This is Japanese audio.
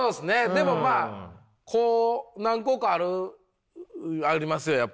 でもまあこう何個かあるありますよやっぱ。